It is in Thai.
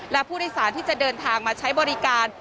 และผู้โดยสารที่จะเดินทางมาใช้บริการ